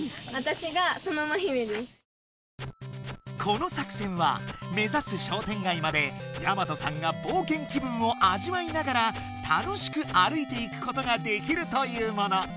この作戦は目指す商店街までやまとさんが冒険気分を味わいながら楽しく歩いていくことができるというもの。